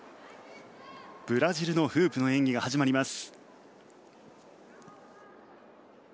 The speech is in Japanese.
ブラジルのフープの演技が始まります。